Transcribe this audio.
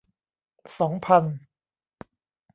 สองพัน